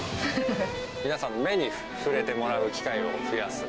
皆さんの目に触れてもらう機会を増やす。